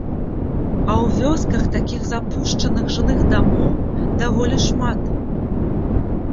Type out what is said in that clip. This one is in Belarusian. А ў вёсках такіх запушчаных жылых дамоў даволі шмат.